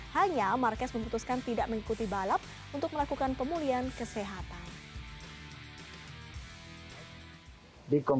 hanya marquez memutuskan tidak mengikuti balap untuk melakukan pemulihan kesehatan